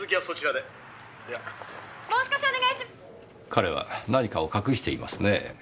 彼は何かを隠していますねぇ。